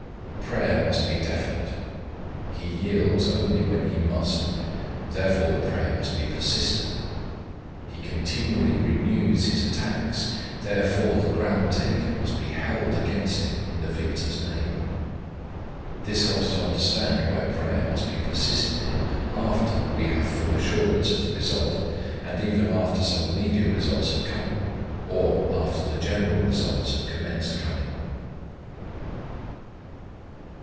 Prayer must be definite. He yields only when he must. Therefore the prayer must be persistent. He continually renews his attacks, therefore the ground taken must be held against him in the Victor's name. This helps to understand why prayer must be persisted in after we have full assurance of the result, and even after some immediate results have come, or, after the general results have commenced coming.